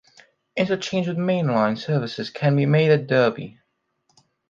Interchange with Mainline services can be made at Derby.